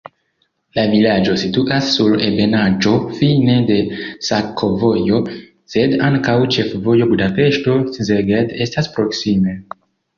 La vilaĝo situas sur ebenaĵo, fine de sakovojo, sed ankaŭ ĉefvojo Budapeŝto-Szeged estas proksime.